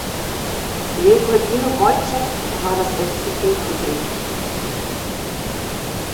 Leopoldine Wojtek war das älteste Kind von Ing.